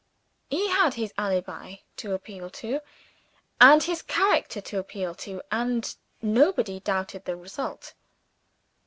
He had his "alibi" to appeal to, and his character to appeal to; and nobody doubted the result.